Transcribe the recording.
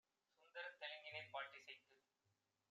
சுந்தரத் தெலுங்கினிற் பாட்டிசைத்துத்